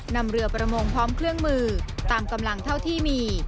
นำเรือประมงพร้อมเครื่องมือตามกำลังเท่าที่มี